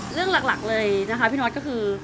เรื่องหลักเลยนะคะพี่น็อตก็คือ